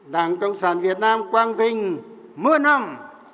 đảng cộng sản việt nam quang vinh mưa năm